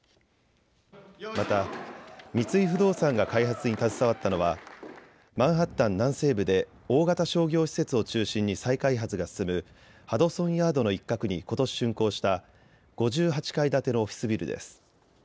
また三井不動産が開発に携わったのはマンハッタン南西部で大型商業施設を中心に再開発が進むハドソンヤードの一角にことししゅんこうした５８階建てのオフィスビルです。